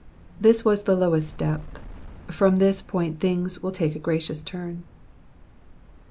This was the lowest depth ; from this point things will take a gracious turn. 65.